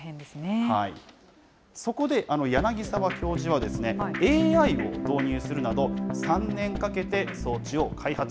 そこで、柳沢教授はＡＩを導入するなど、３年かけて装置を開発。